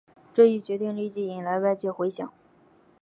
这一决定立即引来外界回响。